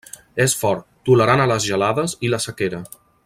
És fort, tolerant a les gelades i la sequera.